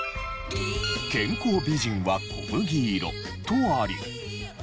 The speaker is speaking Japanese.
「健康美人は小麦色」とあり。